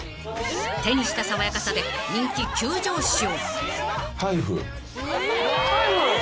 ［手にした爽やかさで人気急上昇］